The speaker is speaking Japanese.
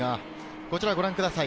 こちらをご覧ください。